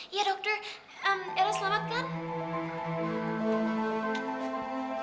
iya dokter ero selamat kan